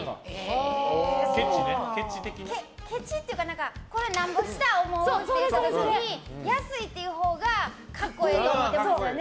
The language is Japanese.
ケチっていうかこれなんぼした思う？って聞かれた時に安いほうが格好ええと思ってますよね。